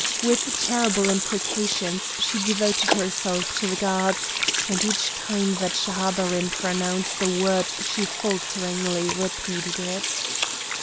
With terrible imprecations she devoted herself to the gods, and each time that Schahabarim pronounced a word she falteringly repeated it.